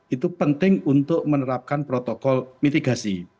itu penting untuk menerapkan protokol mitigasi